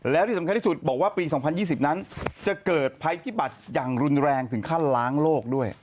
แล้วที่สำคัญที่สุดบอกว่าปี๒๐๒๐นั้นจะเกิดภัยพิบัติอย่างรุนแรงถึงขั้นล้างโลกด้วย